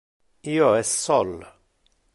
Io es sol.